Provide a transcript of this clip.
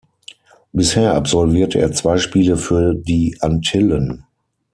Bisher absolvierte er zwei Spiele für die Antillen.